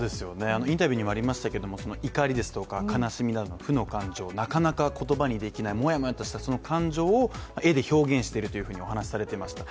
インタビューにもありましたけど怒りですとか、悲しみという負の感情、なかなか言葉にできないもやもやとした感情を絵で表現しているとお話しされていました。